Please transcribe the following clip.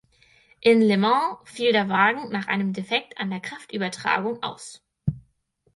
In Le Mans fiel der Wagen nach einem Defekt an der Kraftübertragung aus.